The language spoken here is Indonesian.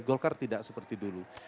golkar tidak seperti dulu